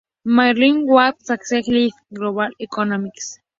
Marilyn Waring on Sex, Lies and Global Economics"".